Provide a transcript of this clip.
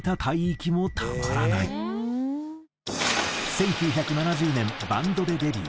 １９７０年バンドでデビュー。